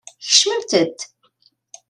Kecmemt-d!